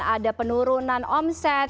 ada penurunan omset